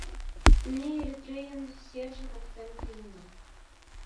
Ме Эритрейын серже воктен каенна.